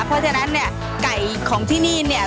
เพราะฉะนั้นเนี่ยไก่ของที่นี่เนี่ย